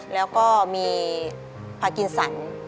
แล้วก็มีพากินสัน